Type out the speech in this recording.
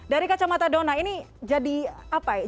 dari kacamata dona ini jadi apa ya